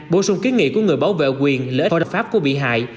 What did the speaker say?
bổ sung kiến nghị của người bảo vệ quyền lễ hội đồng pháp của bị hại